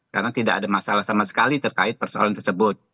karena tidak ada masalah sama sekali terkait persoalan tersebut